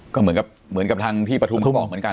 ก็เหมือนกับทางที่ประทุมเข้ามาเหมือนกัน